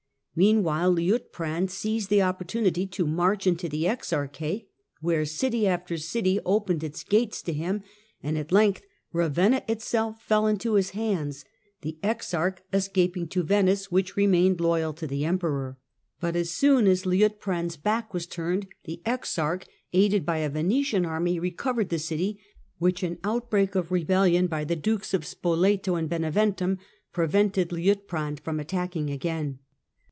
Meanwhile Liutprand sized the opportunity to march into the exarchate, /here city after city opened its gates to him, and at 3ngth Ravenna itself fell into his hands, the exarch scaping to Venice, which remained loyal to the imperor. But as soon as Liutprand's back was turned ae exarch, aided by a Venetian army, recovered the ity, which an outbreak of rebellion by the Dukes of poleto and Beneventum prevented Liutprand from ttacking again.